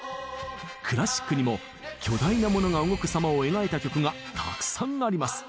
クラシックにも巨大なモノが動くさまを描いた曲がたくさんあります。